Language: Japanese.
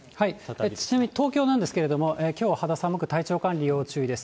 ちなみに東京なんですけれども、きょうは肌寒く、体調管理、要注意です。